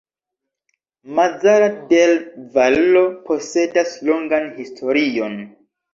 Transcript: Mazara del Vallo posedas longan historion.